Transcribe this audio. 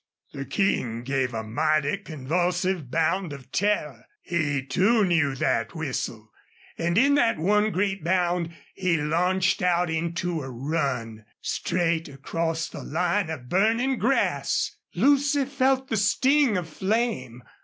The King gave a mighty convulsive bound of terror. He, too, knew that whistle. And in that one great bound he launched out into a run. Straight across the line of burning grass! Lucy felt the sting of flame.